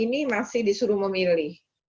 ini masih disuruh memilih